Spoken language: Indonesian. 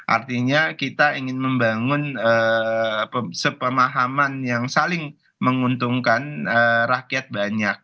artinya kita ingin membangun sepemahaman yang saling menguntungkan rakyat banyak